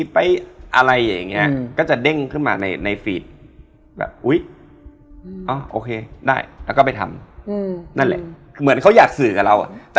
ประเด็นคือไม่ใช่อะไร